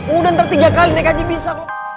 udah entar tiga kali naik haji bisa